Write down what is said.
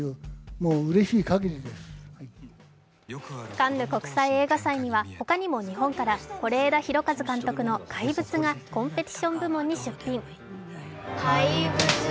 カンヌ国際映画祭にはほかにも日本から是枝裕和監督の「怪物」がコンペティション部門に出品。